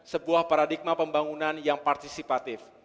sebuah paradigma pembangunan yang partisipatif